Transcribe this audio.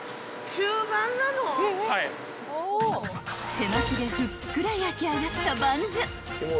［手巻きでふっくら焼き上がったバンズ］